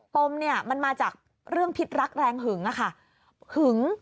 ปมมันมาจากเรื่องพิษรักแรงหึง